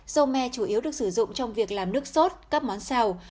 dầu me chủ yếu được sử dụng trong việc làm nước sốt các món xào